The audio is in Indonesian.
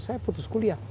saya putus kuliah